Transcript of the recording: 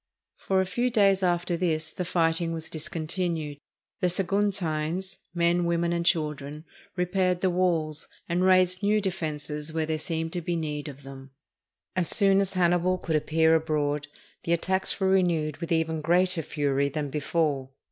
For a few days after this the fighting was discontinued. The Saguntines — men, women, and children — repaired the walls, and raised new defenses where there seemed to be need of them. As soon as Hannibal could appear abroad, the attacks were renewed with even greater fury than be fore.